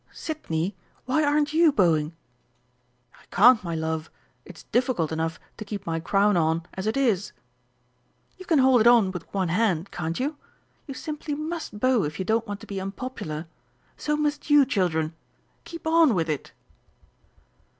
Sidney, why aren't you bowing?" "I can't, my love. It's difficult enough to keep my crown on as it is!" "You can hold it on with one hand, can't you? You simply must bow if you don't want to be unpopular! So must you, children. Keep on with it!"